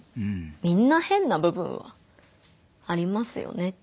みんな変な部分はありますよね。